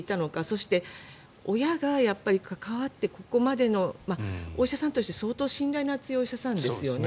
そして親がやっぱり関わってここまでのお医者さんとして相当信頼の厚いお医者さんですよね。